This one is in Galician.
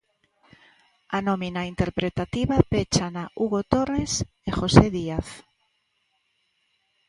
A nómina interpretativa péchana Hugo Torres e José Díaz.